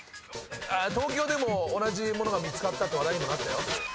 東京でも同じものが見つかったって話題になったよ。